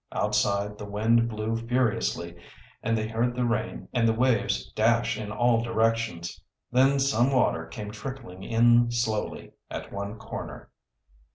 Outside the wind blew furiously and they heard the rain and the waves dash in all directions. Then some water came trickling in slowly, at one corner.